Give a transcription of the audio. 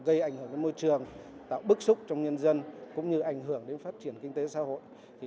gây ảnh hưởng đến môi trường tạo bức xúc trong nhân dân cũng như ảnh hưởng đến phát triển kinh tế xã hội